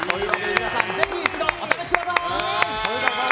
皆さんぜひ一度お試しください。